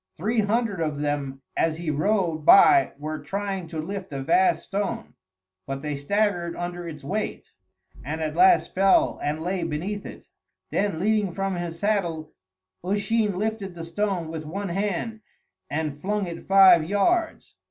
Three hundred of them as he rode by were trying to lift a vast stone, but they staggered under its weight, and at last fell and lay beneath it; then leaning from his saddle Usheen lifted the stone with one hand and flung it five yards.